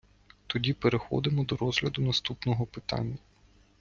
Тоді переходимо до розгляду наступного питання!